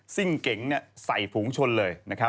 ซิ่งเก๋งใส่ฝูงชนเลย